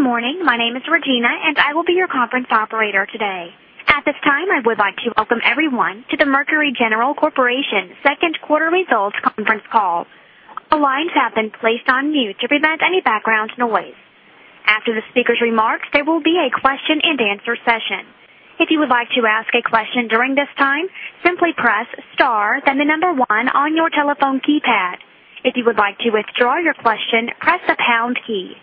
Good morning. My name is Regina, and I will be your conference operator today. At this time, I would like to welcome everyone to the Mercury General Corporation second quarter results conference call. All lines have been placed on mute to prevent any background noise. After the speaker's remarks, there will be a question-and-answer session. If you would like to ask a question during this time, simply press star then the number 1 on your telephone keypad. If you would like to withdraw your question, press the pound key.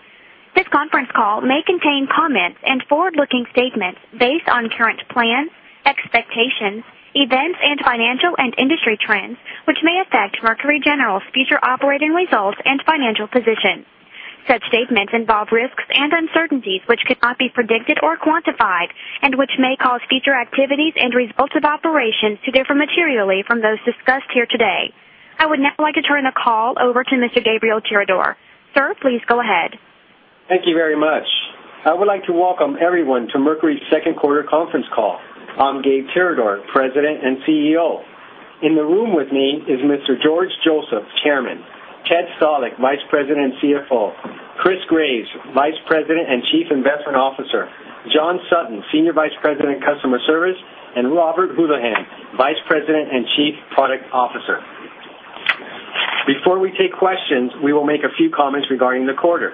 This conference call may contain comments and forward-looking statements based on current plans, expectations, events, and financial and industry trends, which may affect Mercury General's future operating results and financial position. Such statements involve risks and uncertainties which cannot be predicted or quantified and which may cause future activities and results of operations to differ materially from those discussed here today. I would now like to turn the call over to Mr. Gabriel Tirador. Sir, please go ahead. Thank you very much. I would like to welcome everyone to Mercury's second quarter conference call. I'm Gabe Tirador, President and CEO. In the room with me is Mr. George Joseph, Chairman, Ted Stalick, Vice President and CFO, Chris Graves, Vice President and Chief Investment Officer, John Sutton, Senior Vice President, Customer Services, and Robert Houlihan, Vice President and Chief Product Officer. Before we take questions, we will make a few comments regarding the quarter.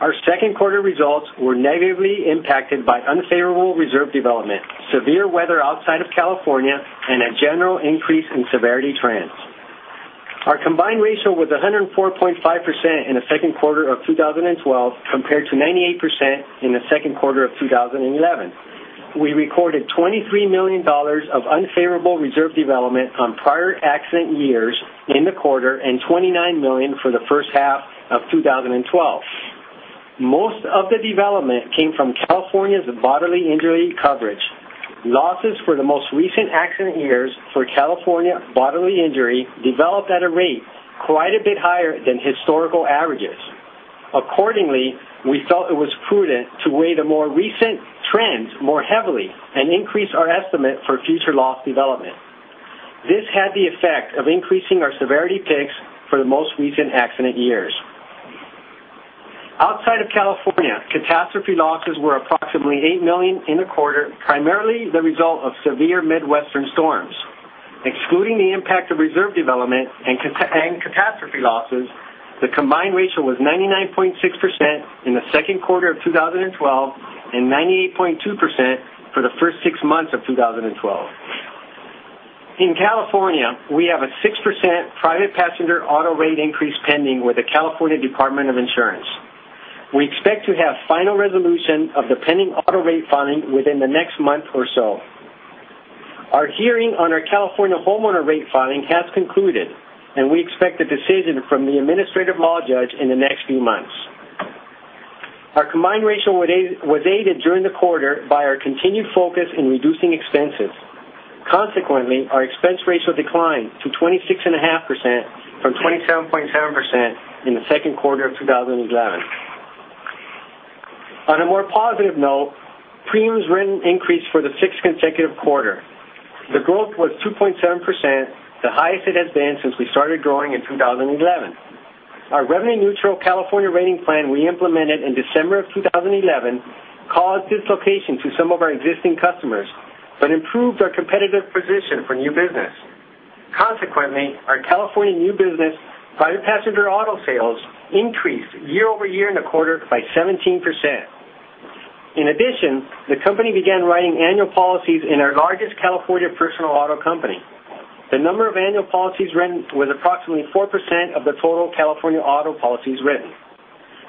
Our second quarter results were negatively impacted by unfavorable reserve development, severe weather outside of California, and a general increase in severity trends. Our combined ratio was 104.5% in the second quarter of 2012 compared to 98% in the second quarter of 2011. We recorded $23 million of unfavorable reserve development on prior accident years in the quarter and $29 million for the first half of 2012. Most of the development came from California's bodily injury coverage. Losses for the most recent accident years for California bodily injury developed at a rate quite a bit higher than historical averages. Accordingly, we felt it was prudent to weigh the more recent trends more heavily and increase our estimate for future loss development. This had the effect of increasing our severity ticks for the most recent accident years. Outside of California, catastrophe losses were approximately $8 million in the quarter, primarily the result of severe Midwestern storms. Excluding the impact of reserve development and catastrophe losses, the combined ratio was 99.6% in the second quarter of 2012 and 98.2% for the first six months of 2012. In California, we have a 6% private passenger auto rate increase pending with the California Department of Insurance. We expect to have final resolution of the pending auto rate filing within the next month or so. Our hearing on our California homeowner rate filing has concluded, and we expect a decision from the administrative law judge in the next few months. Our combined ratio was aided during the quarter by our continued focus in reducing expenses. Consequently, our expense ratio declined to 26.5% from 27.7% in the second quarter of 2011. On a more positive note, premiums written increased for the sixth consecutive quarter. The growth was 2.7%, the highest it has been since we started growing in 2011. Our revenue-neutral California rating plan we implemented in December of 2011 caused dislocation to some of our existing customers but improved our competitive position for new business. Consequently, our California new business private passenger auto sales increased year-over-year in the quarter by 17%. The company began writing annual policies in our largest California personal auto company. The number of annual policies written was approximately 4% of the total California auto policies written.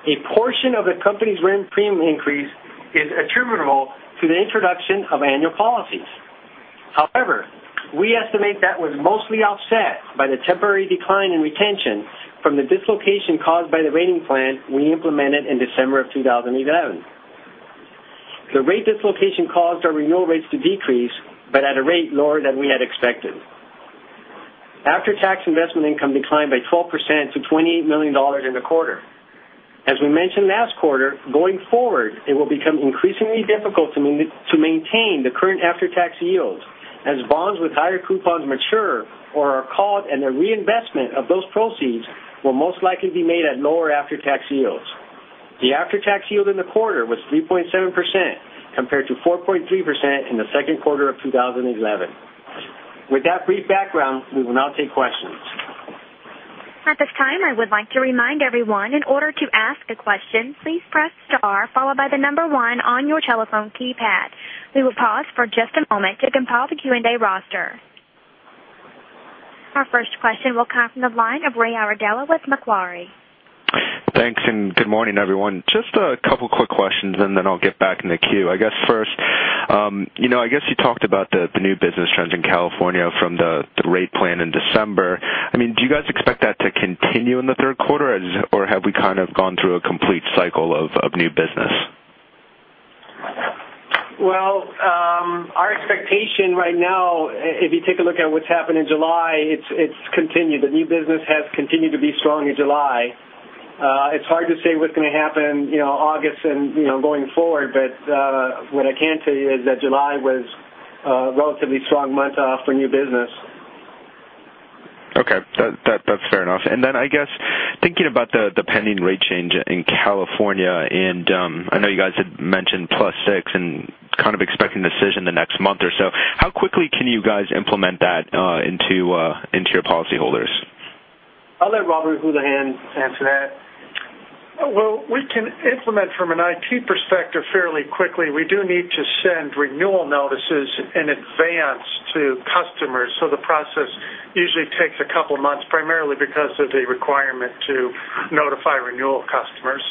A portion of the company's written premium increase is attributable to the introduction of annual policies. We estimate that was mostly offset by the temporary decline in retention from the dislocation caused by the rating plan we implemented in December of 2011. The rate dislocation caused our renewal rates to decrease but at a rate lower than we had expected. After-tax investment income declined by 12% to $28 million in the quarter. We mentioned last quarter, going forward, it will become increasingly difficult to maintain the current after-tax yield as bonds with higher coupons mature or are called, and their reinvestment of those proceeds will most likely be made at lower after-tax yields. The after-tax yield in the quarter was 3.7% compared to 4.3% in the second quarter of 2011. With that brief background, we will now take questions. At this time, I would like to remind everyone, in order to ask a question, please press star followed by the number one on your telephone keypad. We will pause for just a moment to compile the Q&A roster. Our first question will come from the line of Ray Iardella with Macquarie. Thanks, good morning, everyone. Just a couple quick questions, then I'll get back in the queue. I guess first, you talked about the new business trends in California from the rate plan in December. Do you guys expect that to continue in the third quarter, or have we kind of gone through a complete cycle of new business? Well, our expectation right now, if you take a look at what's happened in July, it's continued. The new business has continued to be strong in July. It's hard to say what's going to happen August and going forward. What I can tell you is that July was a relatively strong month for new business. Okay. That's fair enough. Then I guess, thinking about the pending rate change in California, I know you guys had mentioned +6 and kind of expecting a decision the next month or so, how quickly can you guys implement that into your policyholders? I'll let Robert Houlihan answer that. Well, we can implement from an IT perspective fairly quickly. We do need to send renewal notices in advance to customers, the process usually takes a couple of months, primarily because of the requirement to notify renewal customers.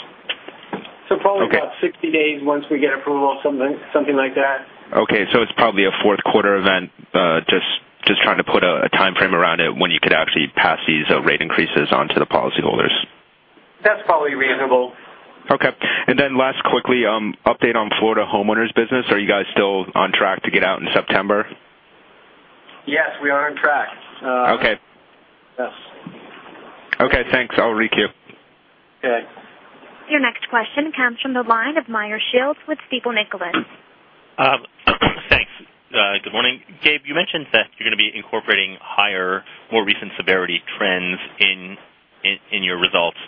So probably- Okay. -about 60 days once we get approval. Something like that. Okay, so it's probably a fourth quarter event. Just trying to put a timeframe around it when you could actually pass these rate increases on to the policyholders. That's probably reasonable. Okay. Then last, quickly, update on Florida homeowners business. Are you guys still on track to get out in September? Yes, we are on track. Okay. Yes. Okay, thanks. I'll requeue. Okay. Your next question comes from the line of Meyer Shields with Stifel Nicolaus. Thanks. Good morning. Gabe, you mentioned that you're going to be incorporating higher, more recent severity trends in your results.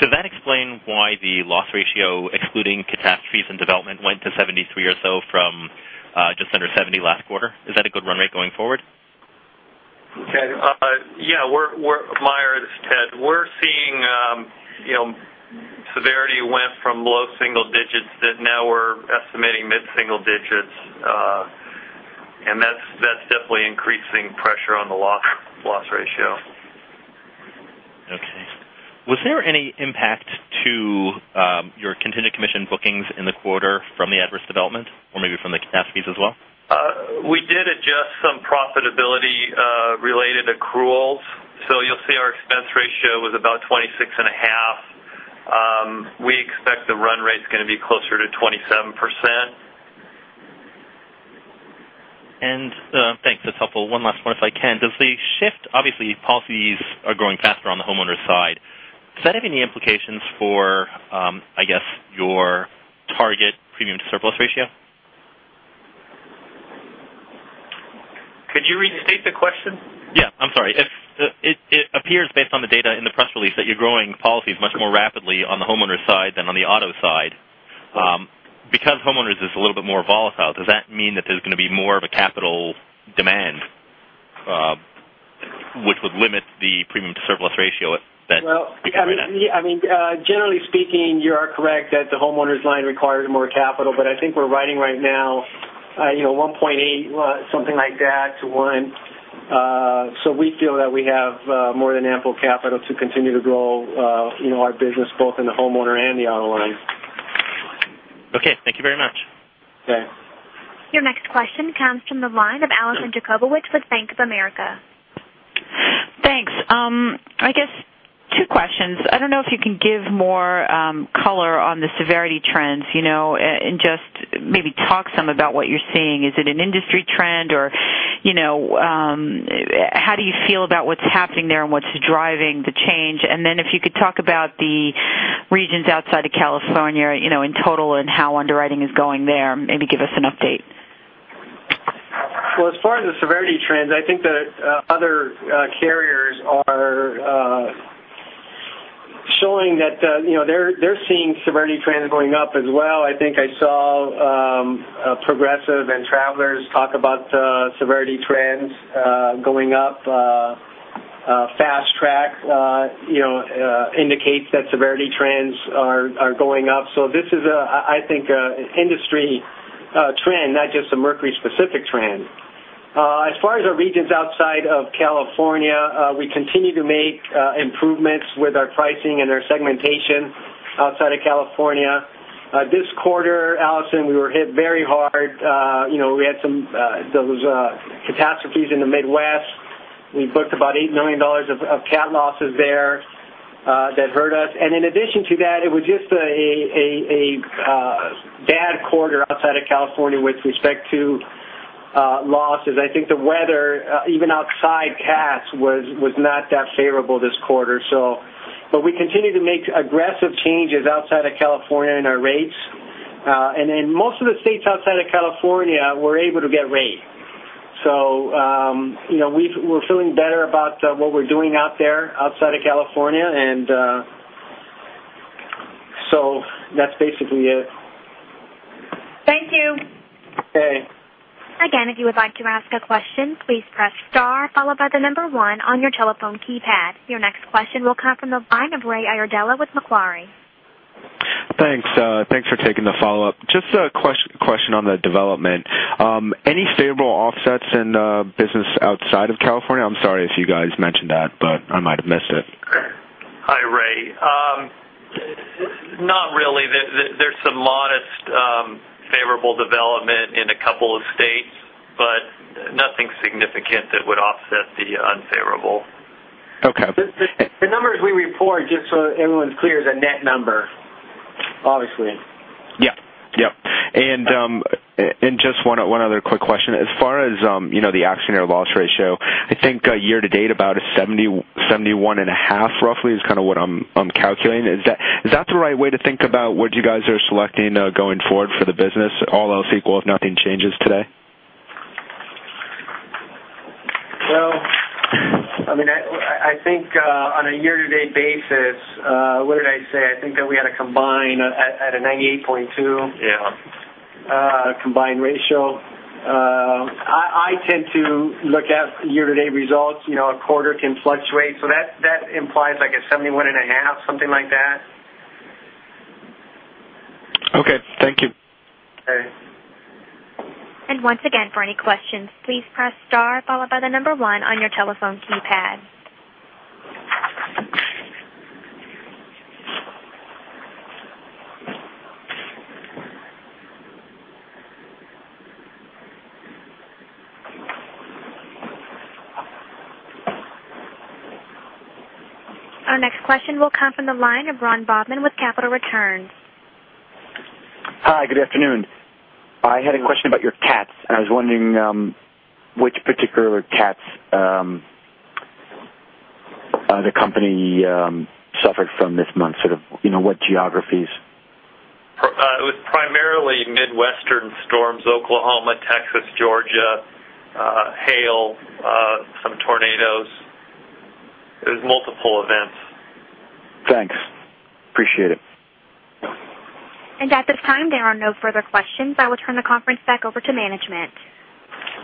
Does that explain why the loss ratio, excluding catastrophes and development, went to 73 or so from just under 70 last quarter? Is that a good run rate going forward? Ted? Yeah. Meyer, this is Ted. We're seeing severity went from low single digits that now we're estimating mid-single digits. That's definitely increasing pressure on the loss ratio. Okay. Was there any impact to your continued commission bookings in the quarter from the adverse development or maybe from the catastrophes as well? We did adjust some profitability-related accruals. You'll see our expense ratio was about 26.5. We expect the run rate's going to be closer to 27%. Thanks, that's helpful. One last one if I can. Does the shift, obviously policies are growing faster on the homeowners side. Does that have any implications for, I guess, your target premium to surplus ratio? Could you restate the question? Yeah. I'm sorry. It appears based on the data in the press release that you're growing policies much more rapidly on the homeowners side than on the auto side. Because homeowners is a little bit more volatile, does that mean that there's going to be more of a capital demand, which would limit the premium to surplus ratio then? Generally speaking, you are correct that the homeowners line requires more capital. I think we're riding right now, 1.8, something like that, to one. We feel that we have more than ample capital to continue to grow our business both in the homeowner and the auto lines. Okay. Thank you very much. Thanks. Your next question comes from the line of Alison Jacobowitz with Bank of America. Thanks. I guess two questions. I don't know if you can give more color on the severity trends, and just maybe talk some about what you're seeing. Is it an industry trend or how do you feel about what's happening there and what's driving the change? If you could talk about the regions outside of California in total and how underwriting is going there. Maybe give us an update. As far as the severity trends, I think that other carriers are showing that they're seeing severity trends going up as well. I think I saw Progressive and Travelers talk about severity trends going up. Fast Track indicates that severity trends are going up. This is, I think, an industry trend, not just a Mercury-specific trend. As far as our regions outside of California, we continue to make improvements with our pricing and our segmentation outside of California. This quarter, Alison, we were hit very hard. We had those catastrophes in the Midwest. We booked about $8 million of cat losses there. That hurt us. In addition to that, it was just a bad quarter outside of California with respect to losses. I think the weather, even outside cats, was not that favorable this quarter. We continue to make aggressive changes outside of California in our rates. In most of the states outside of California, we're able to get rate. We're feeling better about what we're doing out there outside of California. That's basically it. Thank you. Okay. Again, if you would like to ask a question, please press star followed by the number one on your telephone keypad. Your next question will come from the line of Ray Iardella with Macquarie. Thanks for taking the follow-up. Just a question on the development. Any favorable offsets in the business outside of California? I'm sorry if you guys mentioned that, but I might have missed it. Hi, Ray. Not really. There's some modest favorable development in a couple of states, but nothing significant that would offset the unfavorable. Okay. The numbers we report, just so everyone's clear, is a net number, obviously. Yep. Just one other quick question. As far as the accident or loss ratio, I think year-to-date about a 71.5% roughly is kind of what I'm calculating. Is that the right way to think about what you guys are selecting going forward for the business, all else equal if nothing changes today? I think on a year-to-date basis, what did I say? I think that we had a combine at a 98.2. Yeah. Combined ratio. I tend to look at year-to-date results. A quarter can fluctuate. That implies like a 71 and a half, something like that. Okay. Thank you. Okay. Once again, for any questions, please press star followed by the number one on your telephone keypad. Our next question will come from the line of Ron Bobman with Capital Returns. Hi, good afternoon. I had a question about your CATs. I was wondering which particular CATs the company suffered from this month. Sort of what geographies. It was primarily Midwestern storms. Oklahoma, Texas, Georgia. Hail. Some tornadoes. It was multiple events. Thanks. Appreciate it. At this time, there are no further questions. I will turn the conference back over to management.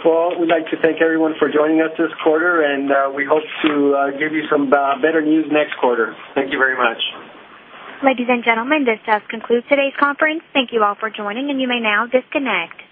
Well, we'd like to thank everyone for joining us this quarter, and we hope to give you some better news next quarter. Thank you very much. Ladies and gentlemen, this does conclude today's conference. Thank you all for joining, and you may now disconnect.